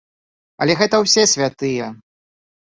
Але гэта ўсе святыя.